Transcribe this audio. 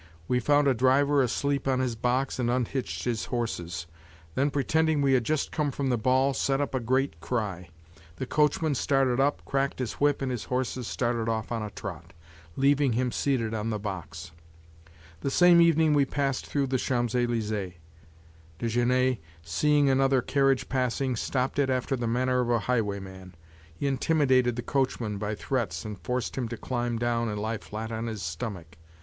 We found a driver asleep on his box and unhitched his horses; then pretending we had just come from the ball, set up a great cry. The coachman started up, cracked his whip and his horses started off on a trot, leaving him seated on the box. The same evening we passed through the Champs Elysees; Desgenais, seeing another carriage passing, stopped it after the manner of a highwayman; he intimidated the coachman by threats and forced him to climb down and lie flat on his stomach.